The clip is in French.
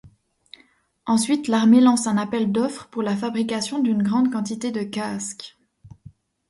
Ensuite L'Armée lance un appel d'offres pour la fabrication d'une grande quantité de casques.